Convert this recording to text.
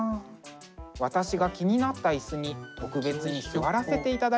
私が気になった椅子に特別に座らせていただきました。